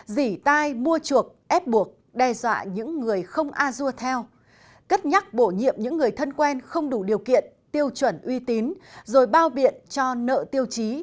dỉ tai mua chuộc ép buộc đe dọa những người không a dua theo cất nhắc bổ nhiệm những người thân quen không đủ điều kiện tiêu chuẩn uy tín rồi bao biện cho nợ tiêu chí